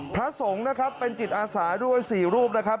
พระสงฆ์นะครับเป็นจิตอาสาด้วย๔รูปนะครับ